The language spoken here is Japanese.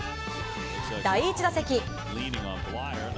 第１打席。